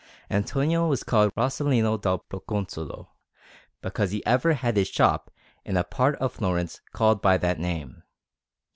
Antonio was called Rossellino dal Proconsolo, because he ever had his shop in a part of Florence called by that name.